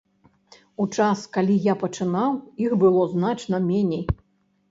У час, калі я пачынаў, іх было значна меней.